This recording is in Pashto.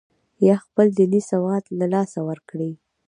یا خپل دیني سواد له لاسه ورکړي.